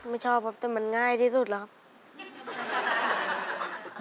ชอบครับแต่มันง่ายที่สุดแล้วครับ